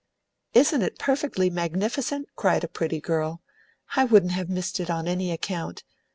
"Isn't it perfectly magnificent!" cried a pretty girl. "I wouldn't have missed it on any account.